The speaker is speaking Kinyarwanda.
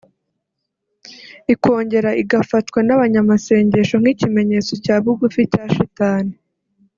ikongera igafatwa n’abanyamasengesho nk’ikimenyetso cya bugufi cya Shitani